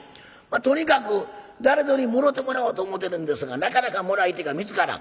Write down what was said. とにかく誰ぞにもろてもらおうと思てるんですがなかなかもらい手が見つからん。